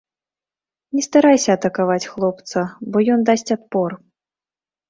Не старайся атакаваць хлопца, бо ён дасць адпор.